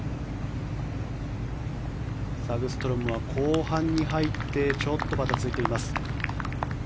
サグストロムは後半に入ってちょっとバタついています。